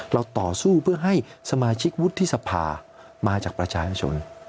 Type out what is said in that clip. ต่อสู้เพื่อให้สมาชิกวุฒิสภามาจากประชาชน